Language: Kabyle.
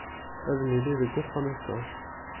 Ad nili deg uxxam ass-a.